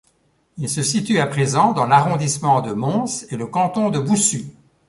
Il se situe à présent dans l'arrondissement de Mons et le canton de Boussu.